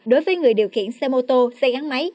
đối với người điều khiển xe mô tô xe gắn máy